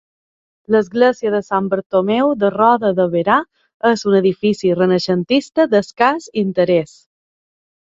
L'església de Sant Bartomeu de Roda de Berà és un edifici renaixentista d'escàs interès.